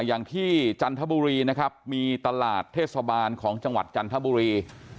อย่างที่จันทบุรีนะครับมีตลาดเทศบาลของจังหวัดจันทบุรี